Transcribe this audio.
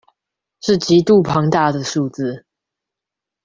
是極度龐大的數字